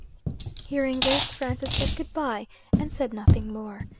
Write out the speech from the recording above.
Hearing this, Francis said good bye and said nothing more.